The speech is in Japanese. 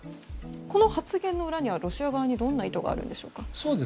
この発言の裏には、ロシア側にどんな意図があるんでしょうか。